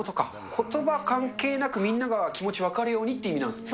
ことば関係なく、みんなが気持ち分かるようにって意味なんですね。